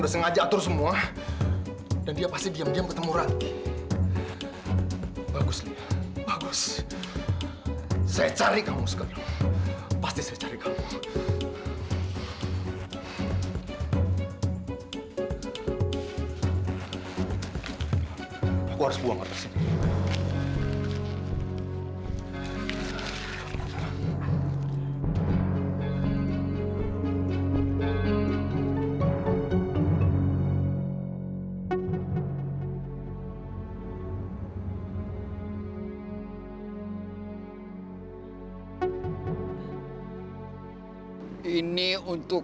jangan jangan dia bisa bertahan hidup dengan obat itu